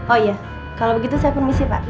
oh iya kalau begitu saya permisi pak